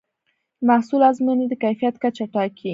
د محصول ازموینه د کیفیت کچه ټاکي.